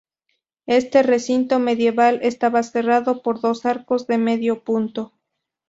Este recinto medieval estaba cerrado por dos arcos de medio punto.